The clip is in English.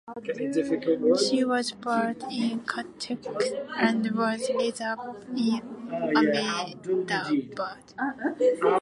She was born in Cuttack and was raised up in Ahmedabad.